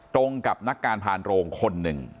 ตรงกับนักการพานโรงคนหนึ่ง